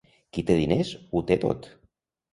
Qui té diners ho té tot.